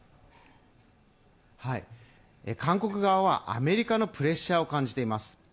韓国側はアメリカのプレッシャーを感じています。